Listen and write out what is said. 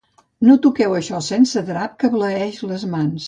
No toqueu això sense drap, que bleeix les mans.